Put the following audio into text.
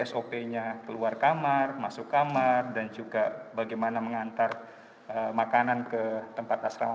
sop nya keluar kamar masuk kamar dan juga bagaimana mengantar makanan ke tempat asrama